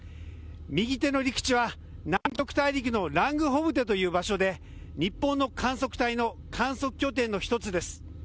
右手の陸地は南極大陸のラングホブデという場所で日本の観測隊の観測拠点の一つです。